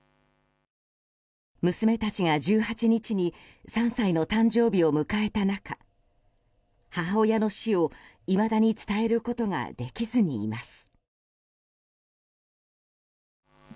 娘たちが１８日に３歳の誕生日を迎えた中母親の死をいまだに伝えることができずにいます。